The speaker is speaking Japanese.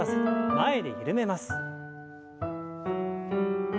前で緩めます。